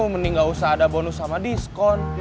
mending nggak usah ada bonus sama diskon